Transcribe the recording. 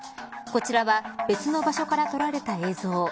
こちらは別の場所から撮られた映像。